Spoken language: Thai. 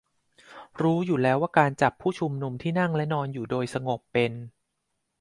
รู้อยู่แล้วว่าการจับผู้ชุมนุมที่นั่งและนอนอยู่โดยสงบเป็น